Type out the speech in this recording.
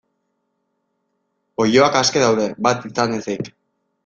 Oiloak aske daude, bat izan ezik.